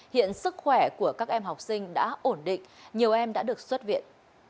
hiện sức khỏe của các em học sinh đã ổn định nhiều em đã được xuất viện